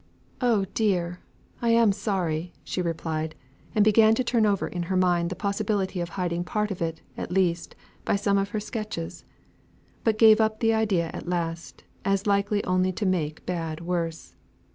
"Oh dear! I am sorry!" she replied, and began to turn over in her mind the possibility of hiding part of it, at least, by some of her sketches, but gave up the idea at last, as likely only to make bad worse.